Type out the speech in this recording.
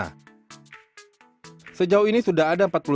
resort ini nantinya menjadi penginapan kelas atas pertama di natuna